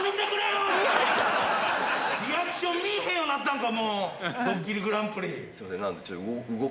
リアクション見ぃへんようになったんか？